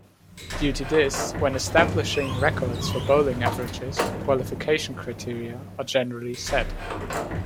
Due to this, when establishing records for bowling averages, qualification criteria are generally set.